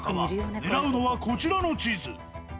狙うのはこちらの地図。